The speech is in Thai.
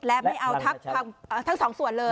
และไม่เอาทักทั้งสองส่วนเลย